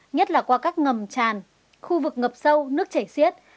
nhất là qua các ngầm tràn khu vực ngập sâu nước chảy xiết